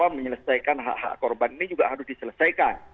menyelesaikan hak hak korban ini juga harus diselesaikan